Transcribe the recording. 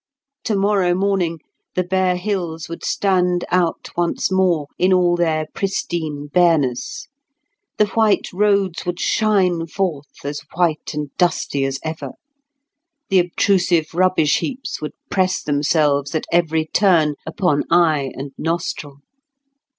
Tomorrow morning, the bare hills would stand out once more in all their pristine bareness; the white roads would shine forth as white and dusty as ever; the obtrusive rubbish heaps would press themselves at every turn upon eye and nostril.